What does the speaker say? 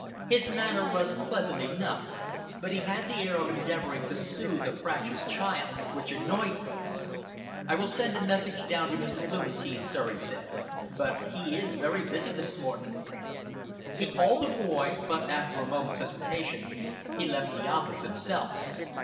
His manner was pleasant enough, but he had the air of endeavoring to soothe a fractious child which annoyed me. "I will send a message down to Mr. Blumentein, sir," he said, "but he is very busy this morning." He called a boy, but, after a moment's hesitation, he left the office himself.